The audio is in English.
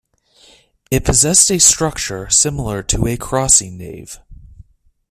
It possessed a structure similar to a crossing nave.